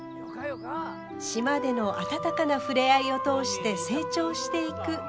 島での温かな触れ合いを通して成長していく舞。